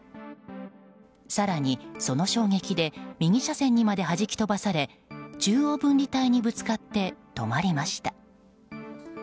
更にその衝撃で右車線にまで、はじき飛ばされ中央分離帯にぶつかって止まりました。